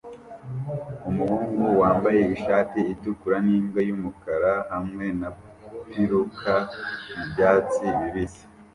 Umuhungu wambaye ishati itukura nimbwa yumukara hamwe na biruka mubyatsi bibisi